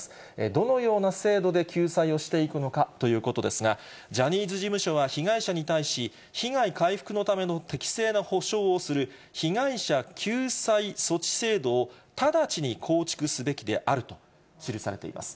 どのような制度で救済をしていくのかということですが、ジャニーズ事務所は被害者に対し、被害回復のための適正な補償をする、被害者救済措置制度を直ちに構築すべきであると記されています。